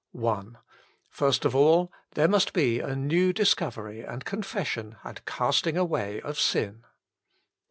I First of all, there must be a new discovery and confession and casting away of sin.